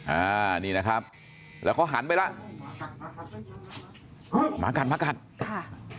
อ่านี่นะครับแล้วเขาหันไปแล้วหมากัดหมากัดค่ะ